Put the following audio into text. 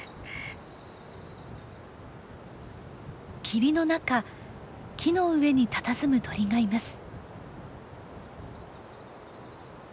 霧の中木の上にたたずむ鳥がいます。